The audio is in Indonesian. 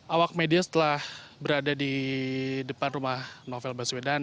awak media setelah berada di depan rumah novel baswedan